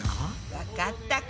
わかったか？